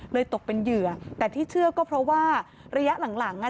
ตกเป็นเหยื่อแต่ที่เชื่อก็เพราะว่าระยะหลังหลังอ่ะ